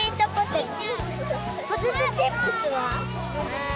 ポテトチップスは？